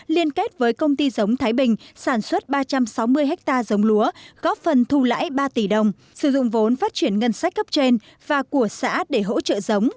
liên kết với công ty giống thái bình sản xuất ba trăm sáu mươi ha giống lúa góp phần thu lãi ba tỷ đồng sử dụng vốn phát triển ngân sách cấp trên và của xã để hỗ trợ giống